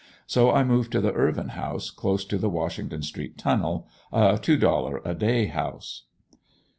So I moved to the Ervin House, close to the Washington Street tunnel, a two dollar a day house.